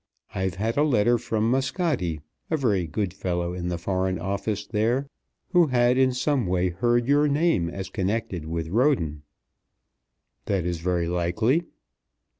I've had a letter from Muscati, a very good fellow in the Foreign Office there, who had in some way heard your name as connected with Roden." "That is very likely."